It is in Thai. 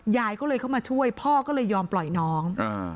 ยายก็เลยเข้ามาช่วยพ่อก็เลยยอมปล่อยน้อง